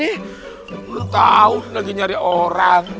belum tahu lagi nyari orang